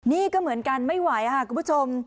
นี่ก็เหมือนกันไม่ไหวค่ะคุณผู้ชม